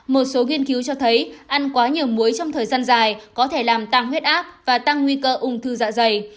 một số nghiên cứu cho thấy ăn quá nhiều muối trong thời gian dài có thể làm tăng huyết áp và tăng nguy cơ ung thư dạ dày